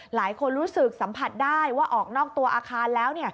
หลายคนรู้สึกสัมผัสได้ว่าออกนอกตัวอาคารแล้ว